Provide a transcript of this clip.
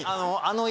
あの。